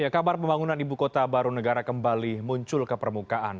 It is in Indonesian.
kabar pembangunan ibu kota baru negara kembali muncul ke permukaan